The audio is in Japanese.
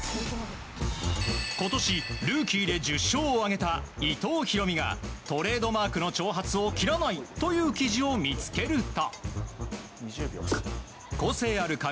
今年、ルーキーで１０勝を挙げた伊藤大海がトレードマークの長髪を切らないという記事を見つけると。